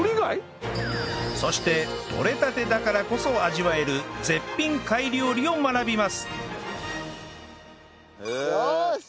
そして採れたてだからこそ味わえる絶品貝料理を学びますよーし！